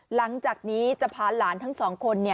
หลังจากนี้จะพาหลานทั้งสองคน